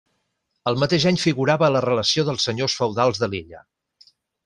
El mateix any figurava a la relació dels senyors feudals de l'illa.